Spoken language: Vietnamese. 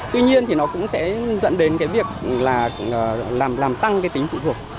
tuy nhiên thì nó cũng sẽ dẫn đến cái việc là làm tăng cái tính phụ thuộc